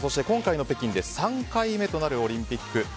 今回の北京で３回目となるオリンピック。